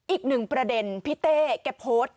อีกหนึ่งประเด็นพี่เต้แกโพสต์